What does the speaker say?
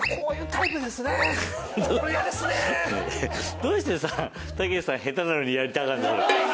どうしてさたけしさん下手なのにやりたがるの？